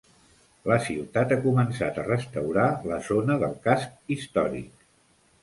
La ciutat ha començat a restaurar la zona del casc històric.